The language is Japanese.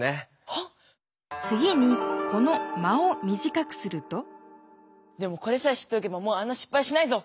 はっ⁉つぎにこの「間」をみじかくするとでもこれさえ知っておけばもうあんなしっぱいしないぞ！